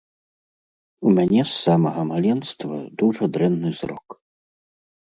У мяне з самага маленства дужа дрэнны зрок.